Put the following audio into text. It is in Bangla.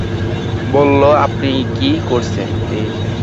বলল, আপনি কী করেছেন?